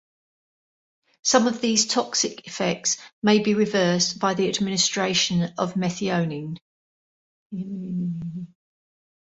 Some of these toxic effects may be reversed by the administration of methionine.